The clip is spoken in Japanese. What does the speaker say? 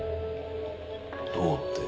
どうって。